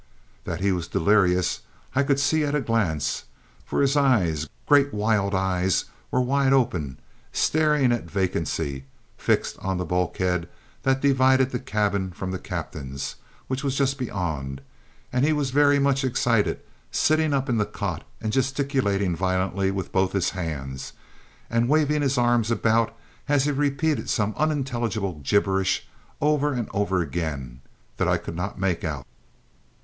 That he was delirious I could see at a glance, for his eyes, great wild eyes, were wide open, staring at vacancy, fixed on the bulkhead that divided the cabin from the captain's, which was just beyond; and he was very much excited, sitting up in the cot and, gesticulating violently with both his hands, and waving his arms about as he repeated some unintelligible gibberish over and over again, that I could not make out.